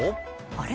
あれ？